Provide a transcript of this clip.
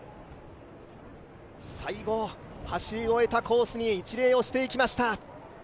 最後、走り終えたコースに一礼をしていきました。